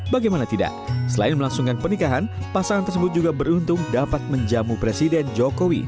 bagaimana tidak selain melangsungkan pernikahan pasangan tersebut juga beruntung dapat menjamu presiden jokowi